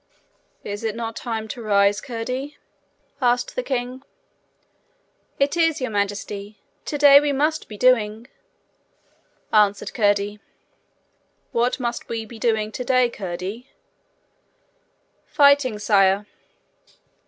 'Is it not time to rise, Curdie?' said the king. 'It is, Your Majesty. Today we must be doing,' answered Curdie. 'What must we be doing today, Curdie?' 'Fighting, sire.'